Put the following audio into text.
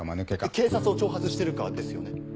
警察を挑発してるかですよね。